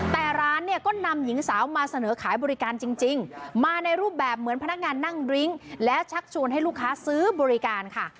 แต่ร้านเนี่ยก็นำหญิงสาวมาเสนอขายบริการจริงมาในรูปแบบเหมือนพนักงานนั่งดริ้งและชักชวนให้ลูกค้าซื้อบริการค่ะ